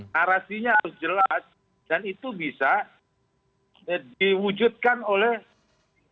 narasinya harus jelas dan itu bisa diwujudkan oleh pemerintah